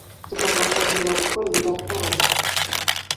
Tugomba kongera gukora iyi raporo.